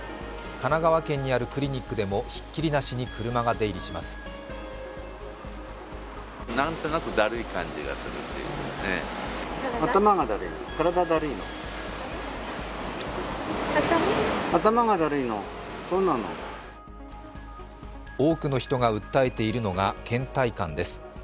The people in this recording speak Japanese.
神奈川県にあるクリニックでもひっきりなしに車が出入りします多くの人が訴えているのがけん怠感です。